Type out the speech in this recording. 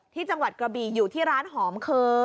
จังหวัดกระบีอยู่ที่ร้านหอมเคย